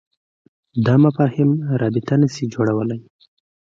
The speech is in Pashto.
دا مفاهیم رابطه نه شي جوړولای.